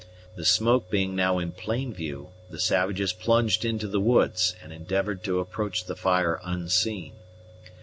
The smoke being now in plain view, the savages plunged into the woods and endeavored to approach the fire unseen.